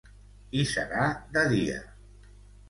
I serà de dia…